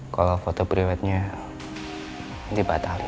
makanya kamu itu jangan pikiran aneh aneh